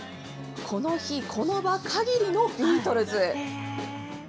この日、この場限りのビートルズ。